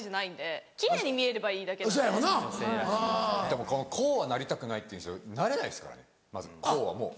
でもこうはなりたくないって言うんですけどなれないですからねまずこうはもう。